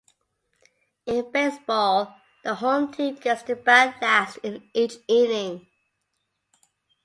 In baseball, the home team gets to bat last in each inning.